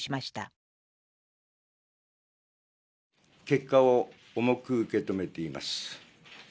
結果を重く受け止めています。